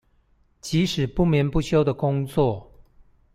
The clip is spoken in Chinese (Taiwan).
即使不眠不休的工作